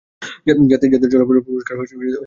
জাতীয় চলচ্চিত্র পুরস্কার লাভ করেছিলেন।